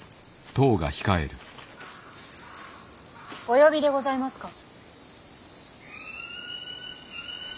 お呼びでございますか。